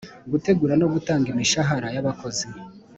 gutegura no gutanga imishahara y’abakozi;